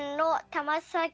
たまさき